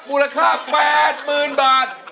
มูลค่า๘๐๐๐บาท